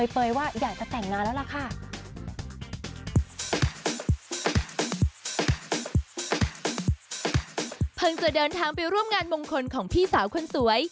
เพิ่งจะเดินทางไปร่วมงานมงคลของพี่สาวคนสวย